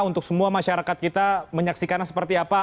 untuk semua masyarakat kita menyaksikannya seperti apa